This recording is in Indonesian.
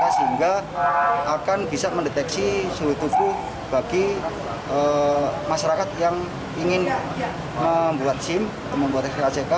sehingga akan bisa mendeteksi suhu tubuh bagi masyarakat yang ingin membuat sim atau membuat lck